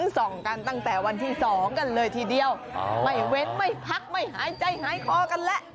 ส่องกันตั้งแต่วันที่๒กันเลยทีเดียวไม่เว้นไม่พักไม่หายใจหายคอกันแล้ว